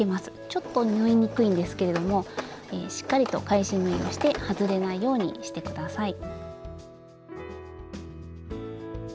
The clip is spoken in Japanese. ちょっと縫いにくいんですけれどもしっかりと返し縫いをして外れないようにして下さい。